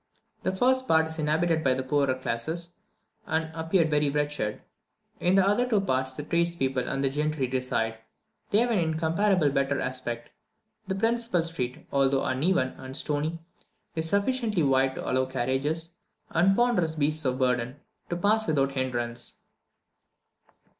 The first part is inhabited by the poorer classes, and appeared very wretched. In the two other parts the tradespeople and the gentry reside; they have an incomparably better aspect. The principal street, although uneven and stony, is sufficiently wide to allow carriages, and ponderous beasts of burden, to pass without hindrance.